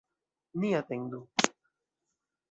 Ni atendu.